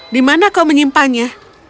dimana kau menyimpannya